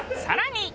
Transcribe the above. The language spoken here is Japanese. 更に。